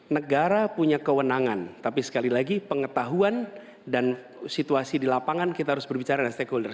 negara punya kewenangan tapi sekali lagi pengetahuan dan situasi di lapangan kita harus berbicara dengan stakeholder